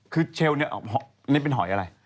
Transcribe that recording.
คือเชลล์เนี่ยนี่เป็นหอยอะไร